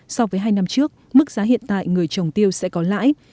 so với hai năm trước mức giá hiện tại người trồng tiêu sẽ có lãi